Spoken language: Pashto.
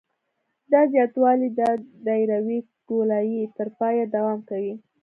دا زیاتوالی د دایروي ګولایي تر پایه دوام کوي